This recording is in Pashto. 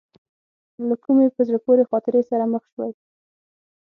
له کومې په زړه پورې خاطرې سره مخ شوې.